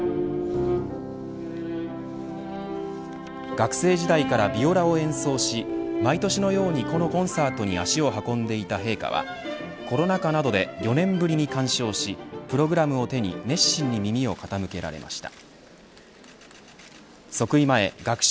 学生時代からビオラを演奏し毎年のようにこのコンサートに足を運んでいた陛下はコロナ禍などで４年ぶりに鑑賞しプログラムを手に熱心に耳を傾けられました。